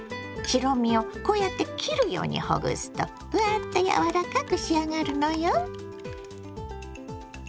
白身をこうやって切るようにほぐすとふわっとやわらかく仕上がるのよ。